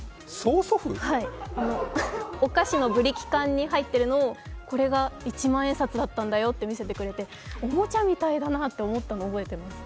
おかしのブリキ缶に入っているのを、これが一万円札だよって見せてくれておもちゃみたいだなって思ったのを覚えています。